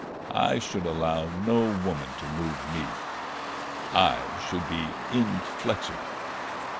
I should allow no woman to move me. I should be inflexible.